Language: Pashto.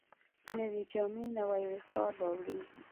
نوې جامې نوی وقار راوړي